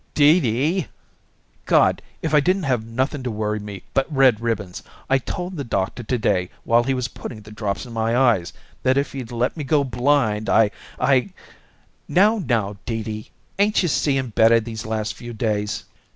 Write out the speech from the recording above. "Dee Dee!" "God! if I didn't have nothing to worry me but red ribbons! I told the doctor to day while he was putting the drops in my eyes, that if he'd let me go blind I I " "Now, now, Dee Dee! Ain't you seeing better these last few days?"